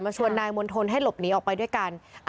ชวนนายมณฑลให้หลบหนีออกไปด้วยกัน